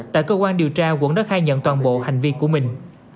tại cơ quan điều tra quẩn đã khai nhận toàn bộ hành vi của mình